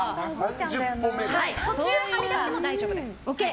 途中、はみ出しても大丈夫です。